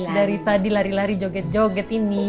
dari tadi lari lari joget joget ini